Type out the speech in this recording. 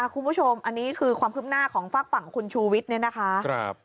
คุณผู้ชมอันนี้คือความคืบหน้าของฝากฝั่งคุณชูวิทย์เนี่ยนะคะ